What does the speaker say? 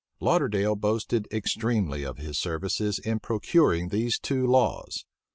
Lauderdale boasted extremely of his services in procuring these two laws.